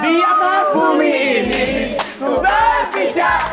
biar mas mumi ini bersihca